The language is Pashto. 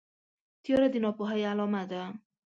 تیاره د ناپوهۍ علامه ده.